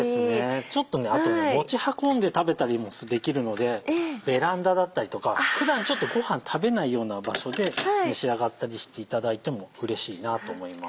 ちょっとねあと持ち運んで食べたりもできるのでベランダだったりとか普段ごはん食べないような場所で召し上がったりしていただいてもうれしいなと思います。